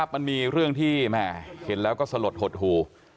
มันมีเรื่องที่แม่เห็นแล้วก็สลดหดหู